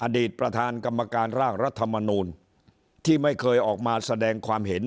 อดีตประธานกรรมการร่างรัฐมนูลที่ไม่เคยออกมาแสดงความเห็น